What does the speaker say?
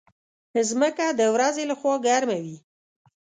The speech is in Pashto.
مځکه د ورځې له خوا ګرمه وي.